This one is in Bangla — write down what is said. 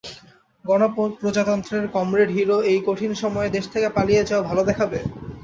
গণপ্রজাতন্ত্রের কমরেড হিরো এই কঠিন সময়ে দেশ থেকে পালিয়ে যাওয়া ভাল দেখাবে?